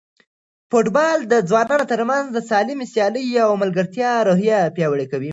فوټبال د ځوانانو ترمنځ د سالمې سیالۍ او ملګرتیا روحیه پیاوړې کوي.